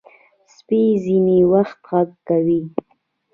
سپي ځینې وخت غږ کوي.